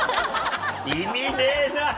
意味ねえな！